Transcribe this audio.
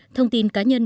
thông tin cá nhân